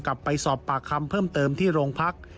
ไปสอบปากคำเพิ่มเติมที่โรงพัก